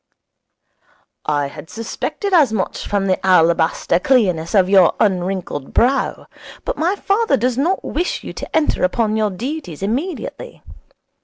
'I had suspected as much from the alabaster clearness of your unwrinkled brow. But my father does not wish you to enter upon your duties immediately.